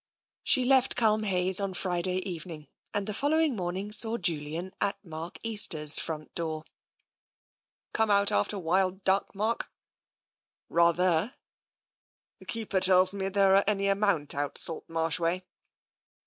She left Culmhayes on Friday evening, and the fol lowing morning saw Julian at Mark Easter's front door. " Come out after wild duck, Mark? *'*' Rather/' " The keeper tells me there are any amount out Salt Marsh way.